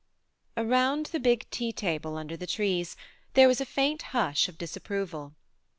" Around the big tea table under the 45 46 THE MARNE trees there was a faint hush of dis approval.